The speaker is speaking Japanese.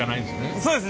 そうですね。